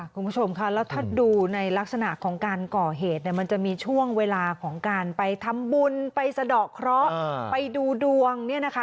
คุณผู้ชมค่ะแล้วถ้าดูในลักษณะของการก่อเหตุเนี่ยมันจะมีช่วงเวลาของการไปทำบุญไปสะดอกเคราะห์ไปดูดวงเนี่ยนะคะ